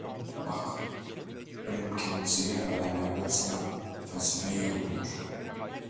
Bak, ölüm kendisi gelmeden evvel sana felsefeyi yolluyor.